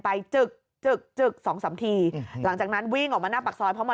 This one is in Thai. จึกจึกจึกสองสามทีหลังจากนั้นวิ่งออกมาหน้าปากซอยเพราะมัน